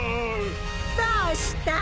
どうした？